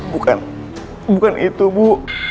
bukan bukan itu bu